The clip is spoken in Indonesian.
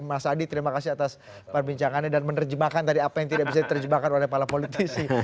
mas adi terima kasih atas perbincangannya dan menerjemahkan tadi apa yang tidak bisa diterjemahkan oleh para politisi